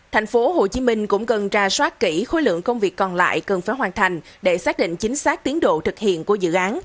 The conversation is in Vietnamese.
tp hcm cũng cần ra soát kỹ khối lượng công việc còn lại cần phải hoàn thành để xác định chính xác tiến độ thực hiện của dự án